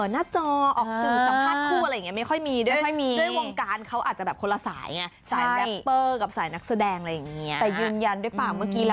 หน้าจอออกสืบสัมภาพคู่อะไรอย่างเงี้ยไม่ค่อยมี